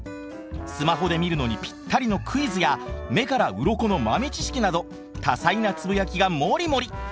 スマホで見るのにぴったりのクイズや目からウロコの豆知識など多彩なつぶやきがモリモリ。